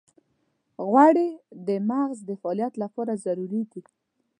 غوړې د مغز د فعالیت لپاره ضروري دي.